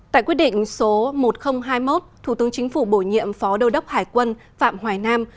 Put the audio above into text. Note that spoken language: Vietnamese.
tại quyết định số một nghìn hai mươi một thủ tướng chính phủ bổ nhiệm phó đầu đốc hải quân phạm hoài nam